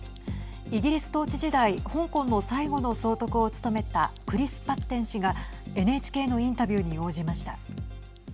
イギリス統治時代香港の最後の総督を務めたクリス・パッテン氏がＮＨＫのインタビューに応じました。